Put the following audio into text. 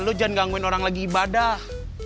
lu jangan gangguin orang lagi ibadah